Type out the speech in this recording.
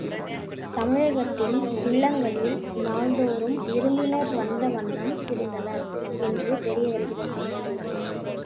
தமிழகத்தின் இல்லங்களில் நாள்தோறும் விருந்தினர் வந்த வண்ணம் இருந்தனர் என்று தெரிய வருகிறது.